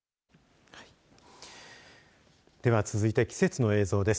では続いて季節の映像です。